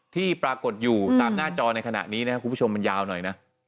ที่ปรากฏอยู่ตามหน้าจอในขณะนี้นะครับคุณผู้ชมมันยาวหน่อยนะ